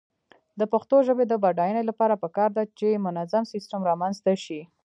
د پښتو ژبې د بډاینې لپاره پکار ده چې منظم سیسټم رامنځته شي.